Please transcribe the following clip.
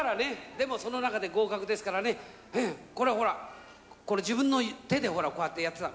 でもその中で合格ですからね、これはほら、これ自分の手でほら、こうやってやってたの。